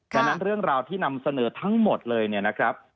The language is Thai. ดังนั้นเรื่องราวที่นำเสนอทั้งหมดเลยเนี่ยนะครับ